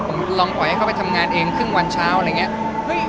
ผมลองปล่อยให้เขาไปทำงานเองครึ่งวันเช้าอะไรอย่างนี้